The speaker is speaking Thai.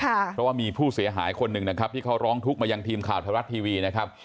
เพราะว่ามีผู้เสียหายคนหนึ่งนะครับที่เขาร้องทุกข์มายังทีมข่าวไทยรัฐทีวีนะครับ